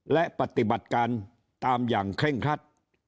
และปฏิบัติการตามอย่างเคร่งครัด